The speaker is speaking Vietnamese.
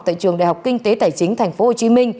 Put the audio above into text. tại trường đại học kinh tế tài chính tp hcm